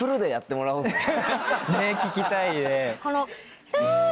ねぇ聴きたいね。